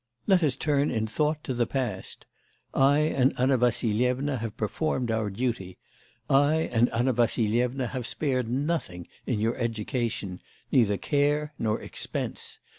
Let us turn in thought to the past. I and Anna Vassilyevna have performed our duty. I and Anna Vassilyevna have spared nothing in your education: neither care nor expense.